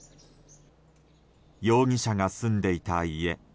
容疑者が住んでいた家。